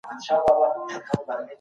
ځینې تعریفونه بشپړ نه دي.